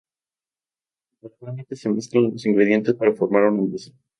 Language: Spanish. Normalmente se mezclan los ingredientes para formar una masa.